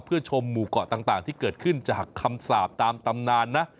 เพื่อชมหมู่เกาะต่างที่เกิดขึ้นจากคำสาปตามตำนานนะ